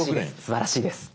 すばらしいです。